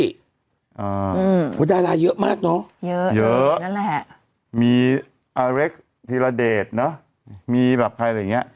อ่าอืมคุณดาราเยอะมากเนอะเยอะนั่นแหละมีทีลาเดชเนอะมีแบบใครอะไรอย่างเงี้ย